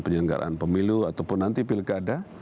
penyelenggaraan pemilu ataupun nanti pilkada